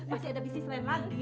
masih ada bisnis lain lagi